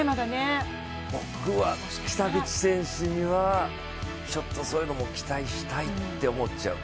僕は北口選手には、ちょっとそういうのも期待したいって思っちゃう。